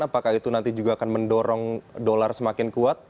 apakah itu nanti juga akan mendorong dolar semakin kuat